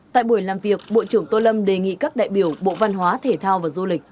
tại buổi làm việc bộ trưởng tô lâm đề nghị các đại biểu bộ văn hóa thể thao và du lịch